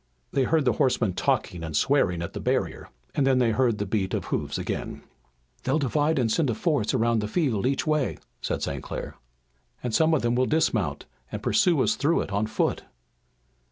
They heard the horsemen talking and swearing at the barrier, and then they heard the beat of hoofs again. "They'll divide and send a force around the field each way!" said St. Clair. "And some of them will dismount and pursue us through it on foot!"